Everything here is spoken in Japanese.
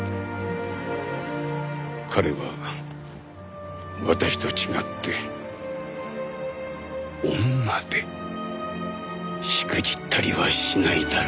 彼は私と違って女でしくじったりはしないだろう。